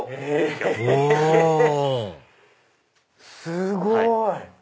すごい！